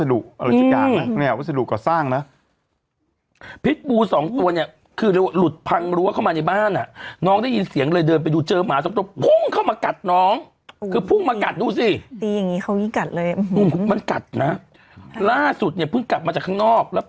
อืมก็ไม่รู้อะไรอันไหนเป็นยังไงอะรอดูคนชนะอยู่ข้างนั้น